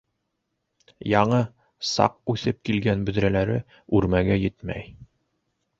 Яңы, саҡ үҫеп килгән бөҙрәләре үрмәгә етмәй.